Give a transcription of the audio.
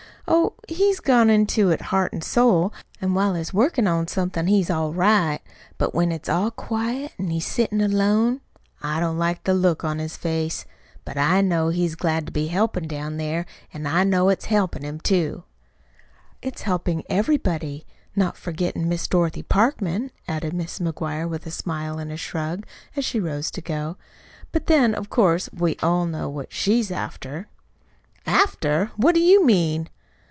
"Oh, he's gone into it heart an' soul; an' while he's workin' on somethin' he's all right. But when it's all quiet, an' he's settin' alone, I don't like the look on his face. But I know he's glad to be helpin' down there; an' I know it's helpin' him, too." "It's helpin' everybody not forgettin' Miss Dorothy Parkman," added Mrs. McGuire, with a smile and a shrug, as she rose to go. "But, then, of course, we all know what she's after." "After! What do you mean?"